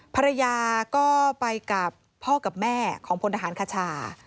ภรรยาก็ไปกับพ่อกับแม่ของพลทหารคชา